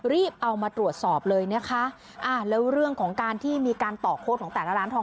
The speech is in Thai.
รีบเอามาตรวจสอบเลยนะคะอ่าแล้วเรื่องของการที่มีการต่อโค้ดของแต่ละร้านทอง